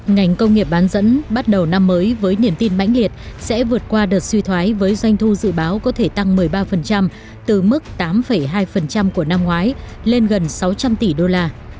ngành công nghiệp bán dẫn bắt đầu năm mới với niềm tin mãnh liệt sẽ vượt qua đợt suy thoái với doanh thu dự báo có thể tăng một mươi ba từ mức tám hai của năm ngoái lên gần sáu trăm linh tỷ đô la